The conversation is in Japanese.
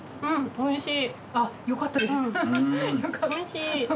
おいしい。